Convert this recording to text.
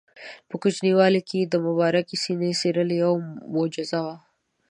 په کوچنیوالي کې یې د مبارکې سینې څیرل یوه معجزه وه.